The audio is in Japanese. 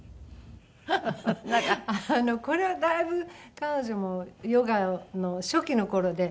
これはだいぶ彼女もヨガの初期の頃で。